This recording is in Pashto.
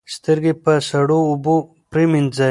سترګې په سړو اوبو پریمنځئ.